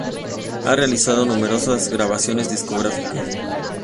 Ha realizado numerosas grabaciones discográficas.